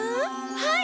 はい！